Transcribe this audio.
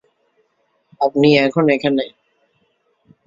আপনি এখন এখানে।